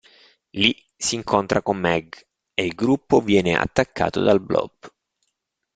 Lì si incontra con Meg, e il gruppo viene attaccato dal Blob.